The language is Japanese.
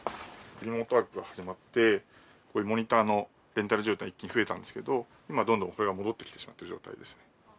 リモートワークが始まって、こういうモニターのレンタル需要が一気に増えたんですけど、今はどんどんこれが戻ってきてしまっている状態です。